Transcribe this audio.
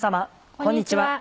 こんにちは。